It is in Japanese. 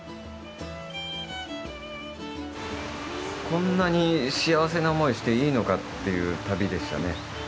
こんなに幸せな思いしていいのかっていう旅でしたね。